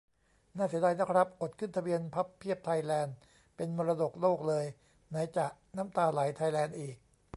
น่าเสียดายนะครับ อดขึ้นทะเบียน "พับเพียบไทยแลนด์" เป็นมรดกโลกเลย ไหนจะ "น้ำตาไหลไทยแลนด์" อีก